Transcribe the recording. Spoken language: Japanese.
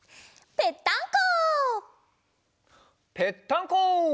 ぺったんこ！